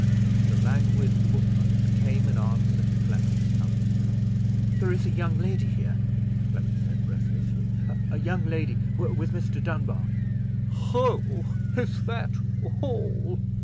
The languid footman came in answer to Clement's summons. "There is a young lady here," Clement said, breathlessly; "a young lady—with Mr. Dunbar." "Ho! is that hall?"